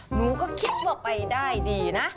หนูก็คิดว่าไปได้ดีนะ